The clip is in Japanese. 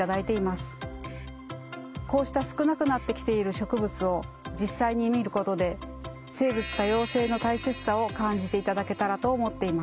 こうした少なくなってきている植物を実際に見ることで生物多様性の大切さを感じていただけたらと思っています。